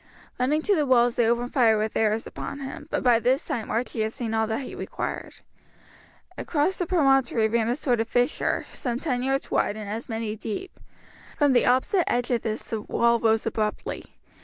Running to the walls they opened fire with arrows upon him, but by this time Archie had seen all that he required. Across the promontory ran a sort of fissure, some ten yards wide and as many deep. From the opposite edge of this the wall rose abruptly.